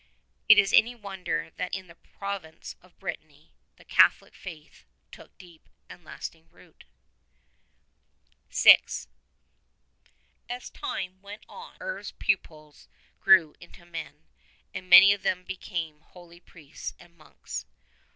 Is it any wonder that in this province of Brittany the Catholic Faith took deep and lasting root? VI. As time went on Herve's pupils grew into men, and many of them became holy priests and monks.